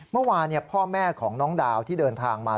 เมื่อวานี้พ่อแม่ของน้องดาวที่เดินทางมา